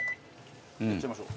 やっちゃいましょう。